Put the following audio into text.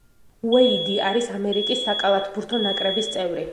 უეიდი არის ამერიკის საკალათბურთო ნაკრების წევრი.